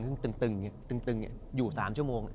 ตึงตึงอยู่๓ชั่วโมง